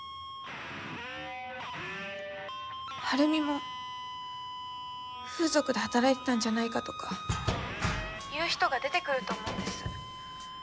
晴美も風俗で働いてたんじゃないかとか言う人が出てくると思うんです。